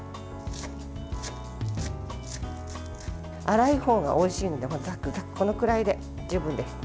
粗いほうがおいしいのでざくざくとこのくらいで十分です。